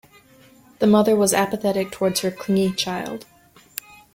The mother was apathetic towards her clingy child.